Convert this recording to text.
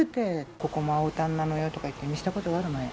ここも青たんなのよとか言って見せたことがあるのよ。